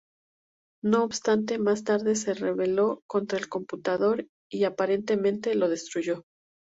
No obstante, más tarde se rebeló contra el computador y, aparentemente, lo destruyó.